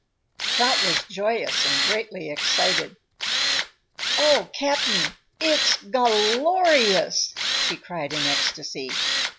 Trot was joyous and greatly excited. "Oh, Cap'n, it's gal lor ious!" she cried in ecstasy.